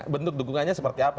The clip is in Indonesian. bentuk dukungannya seperti apa